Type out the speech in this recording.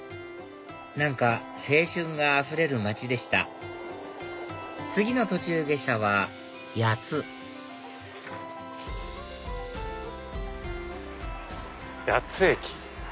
何か青春があふれる町でした次の途中下車は谷津谷津駅。